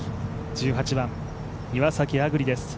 １８番、岩崎亜久竜です。